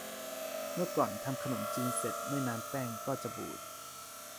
เมื่อก่อน ทำขนมจีนเสร็จ ไม่นานแป้งก็จะบูด